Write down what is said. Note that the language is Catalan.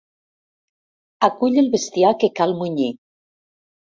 Acull el bestiar que cal munyir.